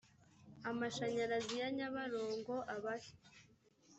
amashanyarazi ya nyabarongo abahe